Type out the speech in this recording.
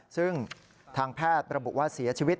ซึ่งทางแพทย์ระบุว่าเสียชีวิต